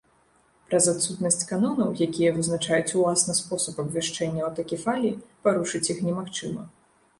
Праз адсутнасць канонаў, якія вызначаюць уласна спосаб абвяшчэння аўтакефаліі, парушыць іх немагчыма.